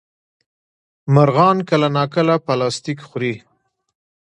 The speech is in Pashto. مرغان کله ناکله پلاستيک خوري.